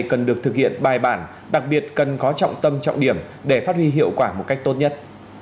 cần được thực hiện bài bản đặc biệt cần có trọng tâm trọng điểm để phát huy hiệu quả một cách tốt nhất